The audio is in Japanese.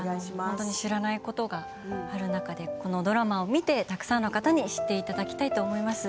本当に知らないことがある中でこのドラマを見てたくさんの方に知っていただきたいと思います。